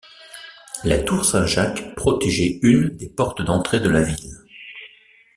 La Tour Saint-Jacques protégeait une des portes d’entrée de la ville.